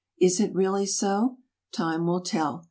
Is it really so ? Time will tell.